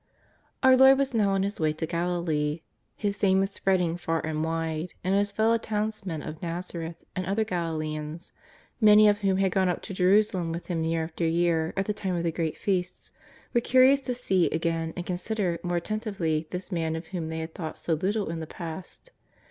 Our Lord was now on His way to Galilee. Hia fame was spreading far and wide, and His fellowtowns men of Nazareth and other Galileans, many of whom had gone up to Jerusalem with Him year after year at the time of the great Feasts, were curious to see again and consider more attentively this Man of whom they had thought so little in the past.